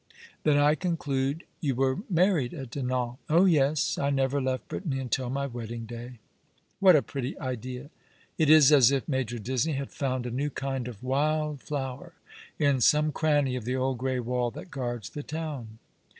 " Then I conclude you were married at Dinan ?"" Oh yes ; I never left Brittany until my wedding day." " What a pretty idea ! It is as if Major Disney had found a new kind of wild flower in some cranny of the old grey wall that guards the town."